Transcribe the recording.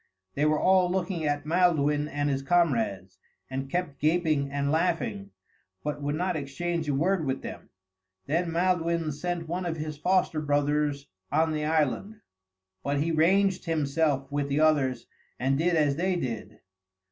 They were all looking at Maelduin and his comrades, and kept gaping and laughing, but would not exchange a word with them. Then Maelduin sent one of his foster brothers on the island; but he ranged himself with the others and did as they did.